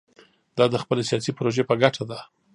دا د خپلې سیاسي پروژې په ګټه ده.